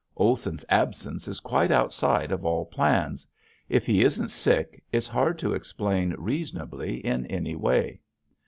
Olson's absence is quite outside of all plans. If he isn't sick it's hard to explain reasonably in any way.